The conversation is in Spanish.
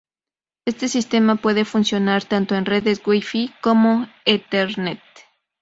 Este sistema puede funcionar tanto en redes Wifi como Ethernet.